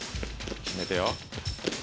決めてよ。